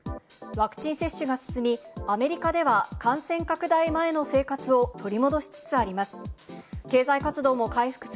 ワクチン接種が進み、アメリカでは感染拡大前の生活を取り戻しつつあります。